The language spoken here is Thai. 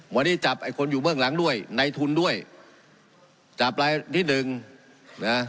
วันนี้จับไอ้คนอยู่เบื้องหลังด้วยในทุนด้วยจับรายที่หนึ่งนะ